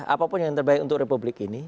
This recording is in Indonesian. apapun yang terbaik untuk republik ini